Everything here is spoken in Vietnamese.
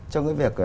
trong cái việc